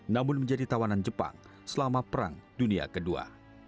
namun menjadi tawanan jepang selama perang dunia ii